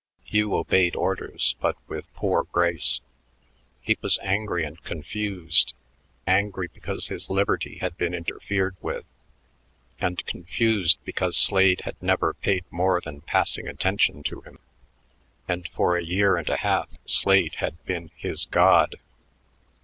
Hugh obeyed orders, but with poor grace. He was angry and confused, angry because his liberty had been interfered with, and confused because Slade had never paid more than passing attention to him and for a year and a half Slade had been his god.